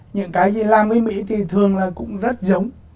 những cái gì làm với mỹ thì thường là cũng rất giống